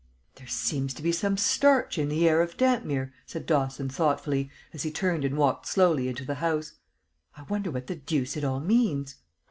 "There seems to be some starch in the air of Dampmere," said Dawson, thoughtfully, as he turned and walked slowly into the house. "I wonder what the deuce it all means?"